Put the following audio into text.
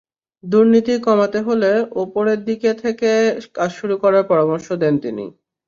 দুর্নীতি কমাতে হলে ওপরের দিক থেকে কাজ শুরু করার পরামর্শ দেন তিনি।